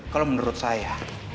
kalo menurut saya